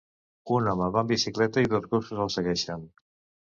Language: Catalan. Un home va en bicicleta i dos gossos el segueixen.